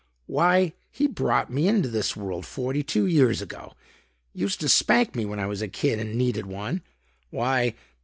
Why he brought me into this world forty two years ago. Used to spank me when I was a kid and needed one. Why...."